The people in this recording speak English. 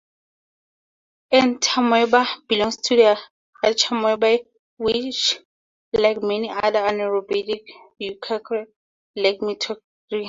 "Entamoeba" belongs to the Archamoebae, which like many other anaerobic eukaryotes lack mitochondria.